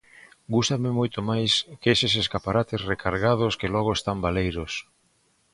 Gústame moito máis que eses escaparates recargados que logo están baleiros.